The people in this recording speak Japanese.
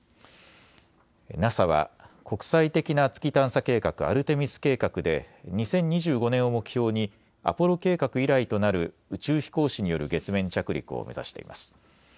ＮＡＳＡは国際的な月探査計画、アルテミス計画で２０２５年を目標にアポロ計画以来となる宇宙飛行士による月面着陸を目指しています。